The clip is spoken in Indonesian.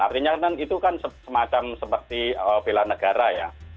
artinya kan itu kan semacam seperti bela negara ya